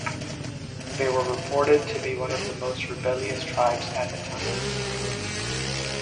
They were reported to be one of the most rebellious tribes at the time.